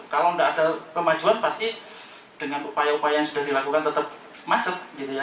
kalau tidak ada pemajuan pasti dengan upaya upaya yang sudah dilakukan tetap macet